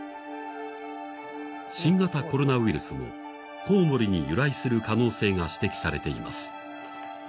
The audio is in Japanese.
新型コロナウイルスもこうもりに由来する可能性が指摘されています。